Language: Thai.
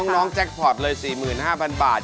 น้องแจ็คพอร์ตเลย๔๕๐๐บาท